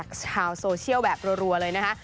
ชาวโซเชียลแบบรัวเลยนะคะ